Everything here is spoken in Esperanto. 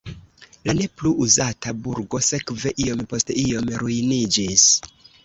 La ne plu uzata burgo sekve iom post iom ruiniĝis.